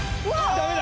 ダメだ！